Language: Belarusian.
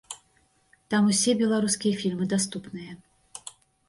Там ўсе беларускія фільмы даступныя.